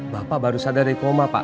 bapak baru sadar dari koma pak